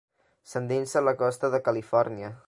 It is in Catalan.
S'endinsa a la costa de Califòrnia.